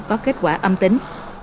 có kết quả âm tính